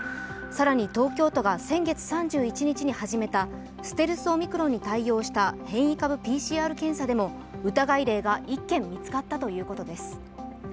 更に東京都が先月３１日に始めたステルスオミクロンに対応した変異株ＰＣＲ検査でも疑い例が１件見つかったということです。